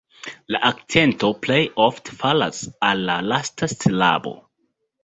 La akcento plej ofte falas al la lasta silabo.